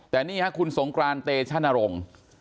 แต่นี่ครับคุณสงกรานเตชนรงค์